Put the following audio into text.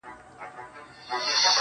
څه مسته نسه مي پـــه وجود كي ده.